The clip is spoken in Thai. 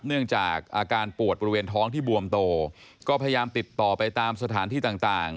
เนื่องจากอาการปวดบริเวณท้องที่บวมโตก็พยายามติดต่อไปตามสถานที่ต่าง